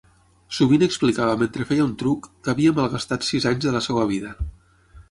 Sovint explicava mentre feia un truc, que havia malgastat sis anys de la seva vida.